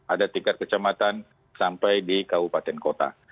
ada tingkat kecamatan sampai di kabupaten kota